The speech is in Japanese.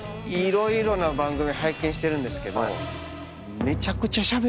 色々な番組拝見してるんですけど。